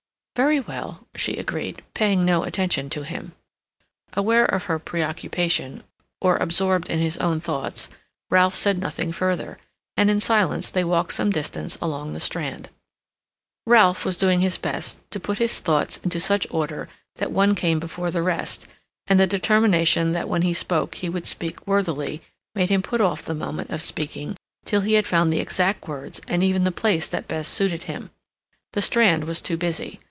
"Very well," she agreed, paying no attention to him. Aware of her preoccupation, or absorbed in his own thoughts, Ralph said nothing further; and in silence they walked some distance along the Strand. Ralph was doing his best to put his thoughts into such order that one came before the rest, and the determination that when he spoke he should speak worthily, made him put off the moment of speaking till he had found the exact words and even the place that best suited him. The Strand was too busy.